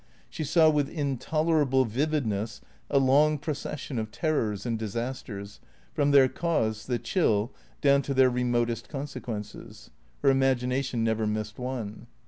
She saw with intolerable vividness a long procession of terrors and disasters, from their cause, the chill, down to their remotest consequences. Her imagination never missed one.